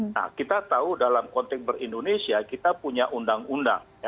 nah kita tahu dalam konteks berin indonesia kita punya undang undang